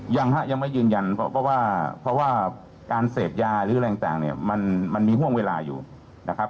ยังไม่ยืนยันเพราะว่าการเสพยาหรืออะไรต่างมันมีห่วงเวลาอยู่นะครับ